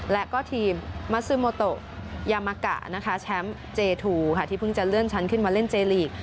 แล้วก็ทีมมัสซูโมโตยามากาช้ำเจทูที่เพิ่งจะเลื่อนชั้นขึ้นมาเล่นเจลีก